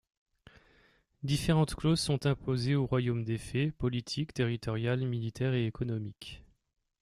Différentes clauses sont imposées au royaume défait, politiques, territoriales, militaires et économiques.